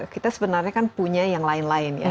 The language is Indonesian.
kita sebenarnya kan punya yang lain lain ya